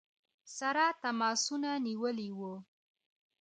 سره تماسونه نیولي ؤ.